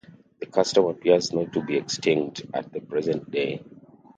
The custom appears not to be extinct at the present day.